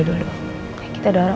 sebelum tidur kita berdoa dulu